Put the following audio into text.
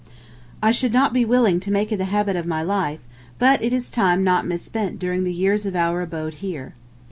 I should not be willing to make it the habit of my life, but it is time not misspent during the years of our abode here.